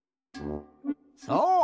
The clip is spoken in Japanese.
そう！